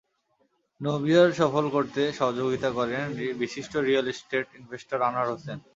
নৌবিহার সফল করতে সহযোগিতা করেন বিশিষ্ট real estate investor Anwar Hossain.